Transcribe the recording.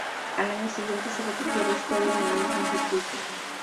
Al año siguiente se repitió la historia en el mismo circuito.